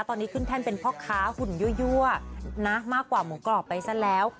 ตอนนี้ขึ้นแท่นเป็นพ่อค้าหุ่นยั่วนะมากกว่าหมูกรอบไปซะแล้ว